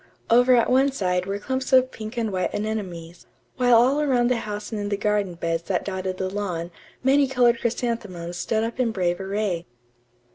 Over at one side were clumps of pink and white anemones; while all around the house and in the garden beds that dotted the lawn many colored chrysanthemums stood up in brave array.